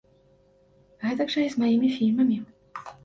Гэтак жа і з маімі фільмамі.